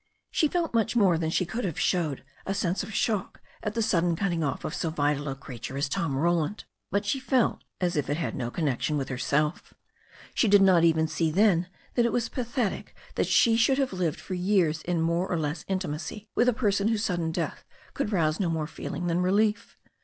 She felt much more than she could have showed a sense of shock at the sudden cutting THE STORY OF A NEW ZEALAND RIVER 403 off of so vital a creature as Tom Roland, but she felt as if it had no connection with herseU. She did not even see then that it was pathetic that she should have lived for years in more or less intimacy with a person whose sudden death could rouse no more feeling than relief.